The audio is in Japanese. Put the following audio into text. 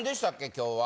今日は。